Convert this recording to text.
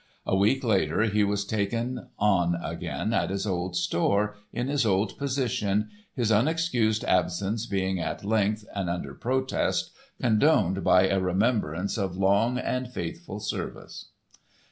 A week later he was taken on again at his old store, in his old position, his unexcused absence being at length, and under protest, condoned by a remembrance of "long and faithful service."